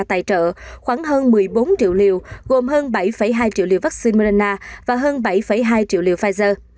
tài trợ khoảng hơn một mươi bốn triệu liều gồm hơn bảy hai triệu liều vắc xin moderna và hơn bảy hai triệu liều pfizer